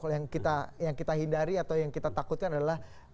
kalau yang kita hindari atau yang kita takutkan adalah